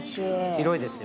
広いですよ。